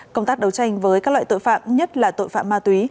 công tác đấu tranh với các loại tội phạm nhất là tội phạm ma túy